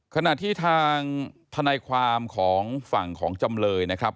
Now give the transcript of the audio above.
ขณะที่ทางทนายความของฝั่งของจำเลยนะครับ